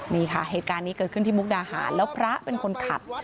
นี่ค่ะเหตุการณ์นี้เกิดขึ้นที่มุกดาหารแล้วพระเป็นคนขับ